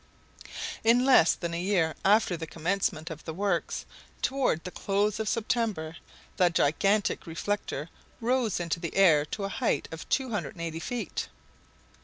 In less than a year after the commencement of the works, toward the close of September, the gigantic reflector rose into the air to a height of 280 feet.